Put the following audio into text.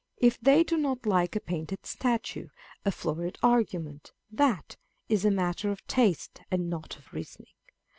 If they do not like a painted statue, a florid argument, that is a matter of taste and not of reasoning.